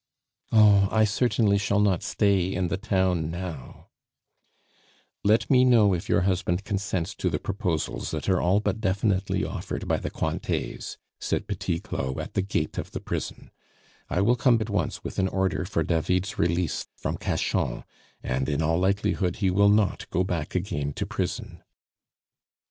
"Oh! I certainly shall not stay in the town now " "Let me know if your husband consents to the proposals that are all but definitely offered by the Cointets," said Petit Claud at the gate of the prison; "I will come at once with an order for David's release from Cachan, and in all likelihood he will not go back again to prison."